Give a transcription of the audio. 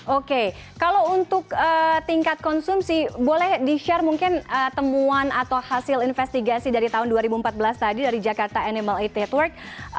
oke kalau untuk tingkat konsumsi boleh di share mungkin temuan atau hasil investigasi dari tahun dua ribu empat belas tadi dari jakarta animal aid network